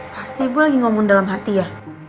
pasti ibu lagi ngomong dalam hati ya